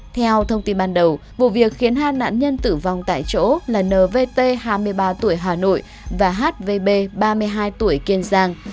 theo thông tin ban đầu vụ việc khiến hai nạn nhân tử vong tại chỗ là nvt hai mươi ba tuổi hà nội và hvb ba mươi hai tuổi kiên giang